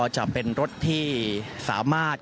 จะเป็นรถที่สามารถ